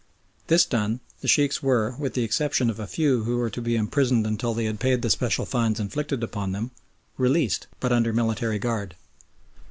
This done the Sheikhs were, with the exception of a few who were to be imprisoned until they had paid the special fines inflicted upon them, released, but under military guard.